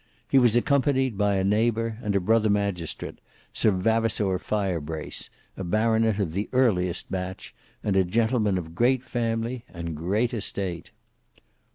He was accompanied by a neighbour and brother magistrate, Sir Vavasour Firebrace, a baronet of the earliest batch, and a gentleman of great family and great estate.